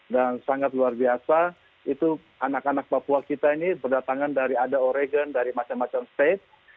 dan sangat luar biasa itu anak anak papua kita ini berdatangan dari ada oregon dari macam macam state